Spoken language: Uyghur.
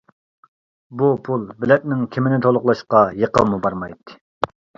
بۇ پۇل بېلەتنىڭ كېمىنى تولۇقلاشقا يېقىنمۇ بارمايتتى.